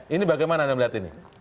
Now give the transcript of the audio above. ini bagaimana anda melihat ini